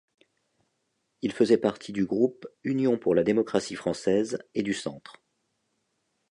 Il faisait partie du groupe Union pour la démocratie française et du centre.